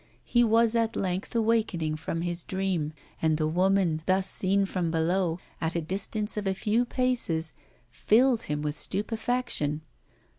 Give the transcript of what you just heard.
He was at length awakening from his dream, and the woman thus seen from below, at a distance of a few paces, filled him with stupefaction.